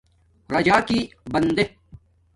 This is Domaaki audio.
راجاکی بندے